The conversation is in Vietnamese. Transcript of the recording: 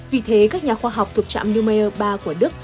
vì thế các nhà khoa học thuộc trạm numeer ba của đức